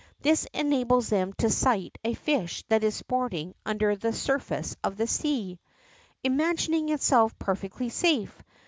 This enables them to sight a fish that is sporting under the sur face of the sea, imagining itself perfectly safe.